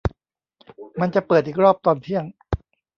มันจะเปิดอีกรอบตอนเที่ยง